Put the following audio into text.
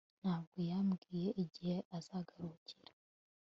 Ntabwo yambwiye igihe azagarukira